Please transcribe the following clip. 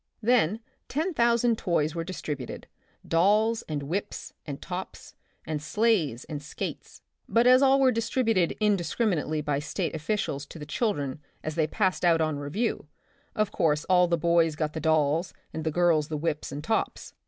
Then ten thousand toys were distributed, dolls and whips and tops, and sleighs and skates. But as all were distributed indiscriminately by State officers to the chil dren as they passed out on review, of course all the boys got the dolls and the girls the whips and tops.